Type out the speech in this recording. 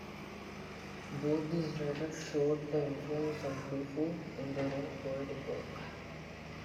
Both these writers showed the influence of Du Fu in their own poetic work.